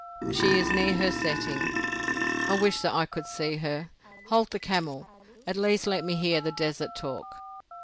"She is near her setting." "I wish that I could see her. Halt the camel. At least let me hear the desert talk."